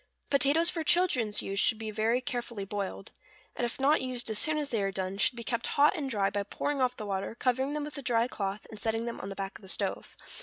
= Potatoes for children's use should be very carefully boiled; and if not used as soon as they are done, should be kept hot and dry, by pouring off the water, covering them with a dry cloth, and setting them on the back of the stove.